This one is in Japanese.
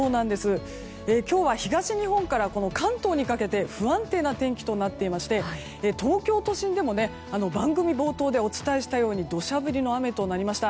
今日は東日本から関東にかけて不安定な天気となっていまして東京都心でも番組冒頭でお伝えしたように土砂降りの雨となりました。